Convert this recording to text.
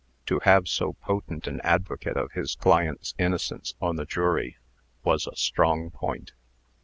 To have so potent an advocate of his client's innocence on the jury, was a strong point.